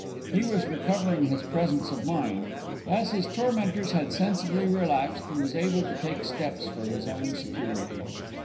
He was recovering his presence of mind. As his tormentors had sensibly relaxed, he was able to take steps for his own security.